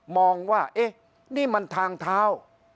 มองว่าเอ๊ะนี่มันทางเท้า